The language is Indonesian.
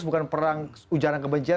bukan perang ujaran kebencian